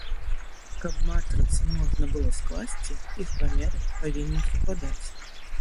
Каб матрыцы можна было скласці, іх памеры павінны супадаць.